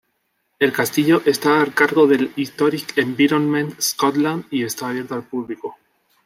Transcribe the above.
El castillo está a cargo del Historic Environment Scotland y está abierto al público.